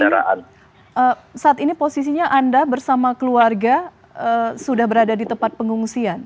saat ini posisinya anda bersama keluarga sudah berada di tempat pengungsian